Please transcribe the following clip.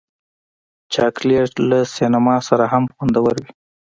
چاکلېټ له سینما سره هم خوندور وي.